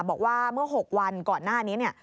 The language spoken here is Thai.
บอกว่าเมื่อ๖วันก่อนหน้านี้เนี่ย